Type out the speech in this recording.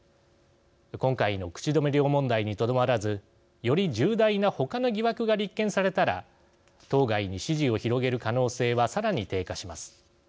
今回の口止め料問題にとどまらずより重大な他の疑惑が立件されたら党外に支持を広げる可能性はさらに低下します。